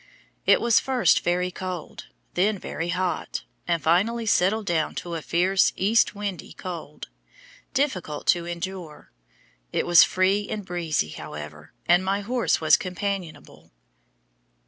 It was first very cold, then very hot, and finally settled down to a fierce east windy cold, difficult to endure. It was free and breezy, however, and my horse was companionable.